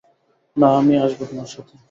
না, আমি আসব তোমার সাথে।